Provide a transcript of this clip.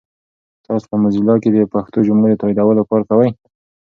تاسو په موزیلا کې د پښتو جملو د تایدولو کار کوئ؟